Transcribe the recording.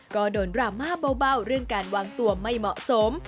ก็โดนดราม่าเบาเรื่องการวางตัวไม่เหมาะสม